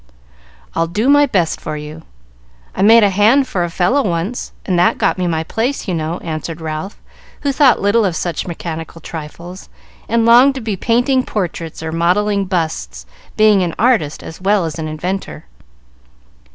"I'd do my best for you. I made a hand for a fellow once, and that got me my place, you know," answered Ralph, who thought little of such mechanical trifles, and longed to be painting portraits or modelling busts, being an artist as well as an inventor.